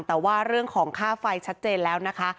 แต่ว่าเรื่องของค่าไฟชัดเจนแล้วนะคะ